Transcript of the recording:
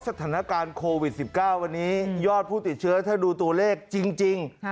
สถานการณ์โควิด๑๙วันนี้ยอดผู้ติดเชื้อถ้าดูตัวเลขจริง